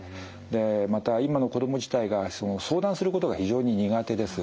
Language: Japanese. また今の子供自体が相談することが非常に苦手です。